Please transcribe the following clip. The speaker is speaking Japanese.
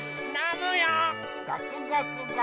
ゴクゴクゴクゴク。